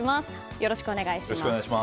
よろしくお願いします。